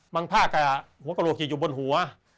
บางภาคหัวกระโลกจะอยู่บนหัว